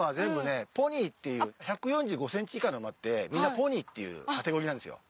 １４５ｃｍ以下の馬ってみんなポニーっていうカテゴリーなんですよ。